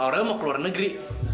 orang mau ke luar negeri